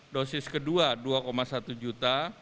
dosis kedua dua satu juta